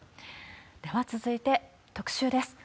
では続いて、特集です。